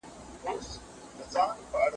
هغه څوک چي پلان جوړوي منظم وي!؟